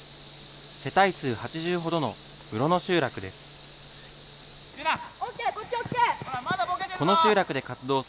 世帯数８０ほどの室野集落です。